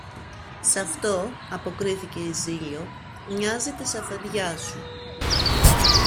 Σ' αυτό, αποκρίθηκε η Ζήλιω, μοιάζει της αφεντιάς σου.